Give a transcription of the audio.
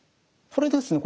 これですね